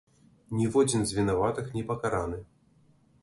Ніводзін з вінаватых не пакараны.